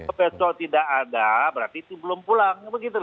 kalau besok tidak ada berarti itu belum pulang